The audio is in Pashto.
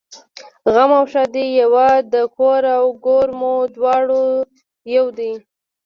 غم او ښادي یوه ده کور او ګور مو دواړه یو دي